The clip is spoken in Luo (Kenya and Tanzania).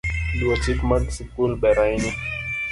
Luwo chik mar sikul ber ahinya